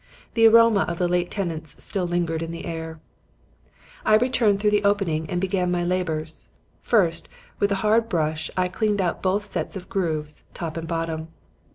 The aroma of the late tenants still lingered in the air. "I returned through the opening and began my labors. First, with a hard brush I cleaned out both sets of grooves, top and bottom.